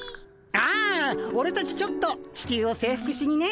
ああオレたちちょっとチキュウを征服しにね。